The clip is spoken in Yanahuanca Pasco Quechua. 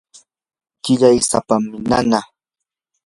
qillay sapam nanaa.